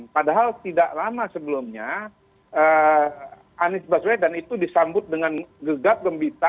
padahal tidak lama sebelumnya anies baswedan itu disambut dengan gegap gembita